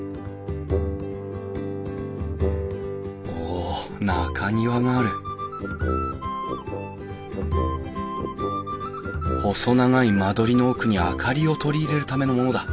お中庭がある細長い間取りの奥に明かりを取り入れるためのものだ。